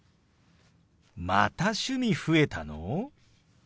また趣味増えたの！？